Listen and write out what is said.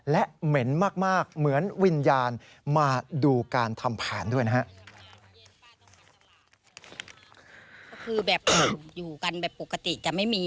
และเหม็นมากเหมือนวิญญาณมาดูการทำแผนด้วยนะฮะ